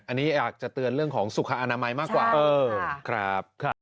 อันนี้อยากจะเตือนเรื่องของสุขอนามัยมากกว่าครับ